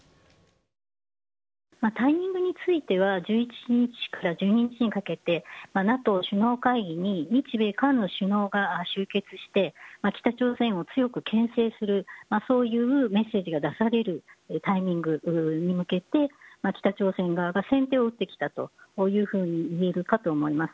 タイミングについては１１日から１２日にかけてＮＡＴＯ首脳会議に日米韓の首脳が集結して北朝鮮を強くけん制するそういうメッセージが出されるタイミングに向けて北朝鮮側が先手を打ってきたというふうに見えるかと思います。